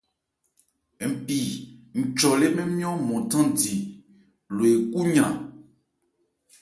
Npi Nchɔ thandi lê mɛ́n nmyɔ̂n ɔ́nmɔn ku yran.